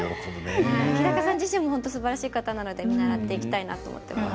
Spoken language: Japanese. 日高さん自身すばらしい方なので見習っていきたいと思います。